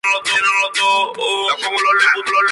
Sólo menciona dos veces el Zohar.